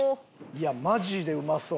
いやマジでうまそう。